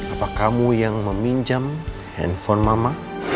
apa kamu yang meminjam handphone mama